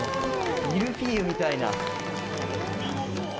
ミルフィーユみたいな。